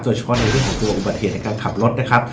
โดยเฉพาะในเรื่องของตัวอุบัติเหตุในการขับรถนะครับ